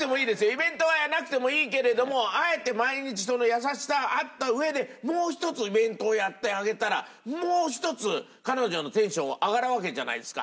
イベントじゃなくてもいいけれどもあえて毎日優しさがあったうえでもう１つイベントをやってあげたらもう１つ彼女のテンションは上がるわけじゃないですか。